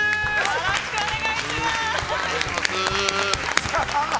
よろしくお願いします。